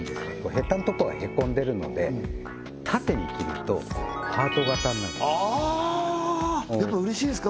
ヘタのとこがへこんでるので縦に切るとハート形になるあやっぱ嬉しいですか？